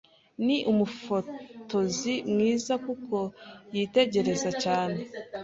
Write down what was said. Ni umufotozi mwiza kuko yitegereza cyane.